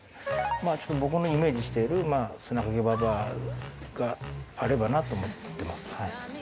僕のイメージしてる砂かけばばあがあればなと思ってます。